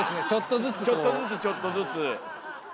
ちょっとずつちょっとずつ。